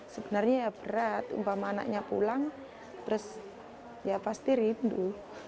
sebenarnya ya berat umpama anaknya pulang terus ya pasti rindu